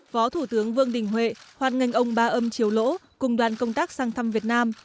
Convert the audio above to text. phó thủ tướng vương đình huệ hoàn nghênh ông ba âm triều lỗ cùng đoàn công tác sang thăm việt nam